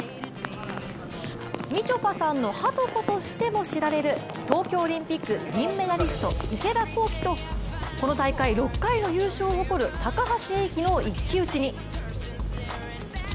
みちょぱさんのはとことしても知られる東京オリンピック銀メダリスト池田向希とこの大会６回の優勝を誇る高橋英輝の一騎打ちに。